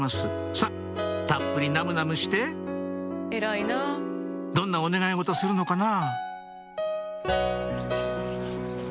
さぁたっぷりナムナムしてどんなお願い事するのかな？